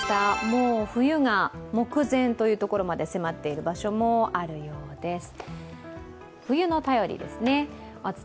もう冬が目前というところまで迫っているところもあるようです。